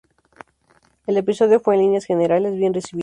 El episodio fue en líneas generales bien recibido.